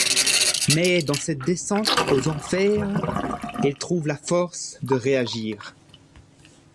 Mais dans cette descente aux enfers, il trouve la force de réagir...